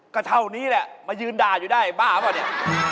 ก็เท่านี้แหละมายืนด่าอยู่ได้บ้าเปล่าเนี่ย